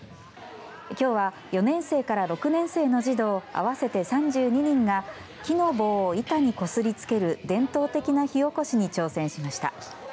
きょうは４年生から６年生の児童合わせて３２人が木の棒を板にこすりつける伝統的な火起こしに挑戦しました。